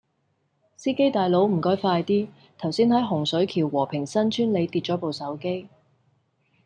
司機大佬唔該快啲，頭先喺洪水橋和平新村里跌左部手機